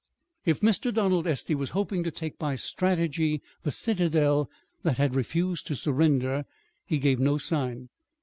If Mr. Donald Estey was hoping to take by strategy the citadel that had refused to surrender, he gave no sign.